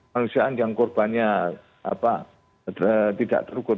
manusiaan yang korbannya tidak terukur